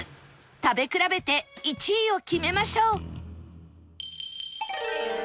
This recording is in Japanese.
食べ比べて１位を決めましょう